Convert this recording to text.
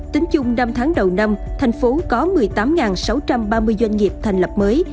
tính chung năm tháng đầu năm thành phố có một mươi tám sáu trăm ba mươi doanh nghiệp thành lập mới